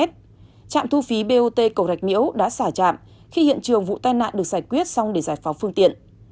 trạm thu phí bot cầu rạch miễu đã xả trạm khi hiện trường vụ tai nạn được giải quyết xong để giải phóng phương tiện